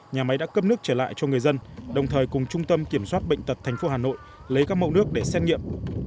nhà máy đã cấp nước trở lại cho người dân đồng thời cùng trung tâm kiểm soát bệnh tật tp hà nội lấy các mẫu nước để xét nghiệm